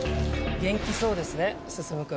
元気そうですね進君。